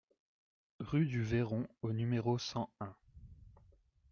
Rue du Véron au numéro cent un